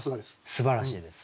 すばらしいです。